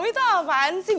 mami tuh apaan sih